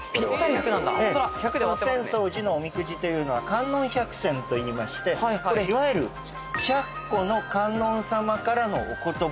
浅草寺のおみくじというのは観音百籤といいましていわゆる１００個の観音様からの御言葉。